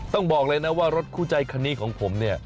ต้องบอกเลยนะว่ารถคู่ใจคันนี้ของผมเนี่ย